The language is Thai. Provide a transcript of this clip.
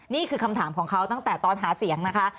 นี่คือคำถามของเขาตั้งแต่ตอนหาเสียงนะคะ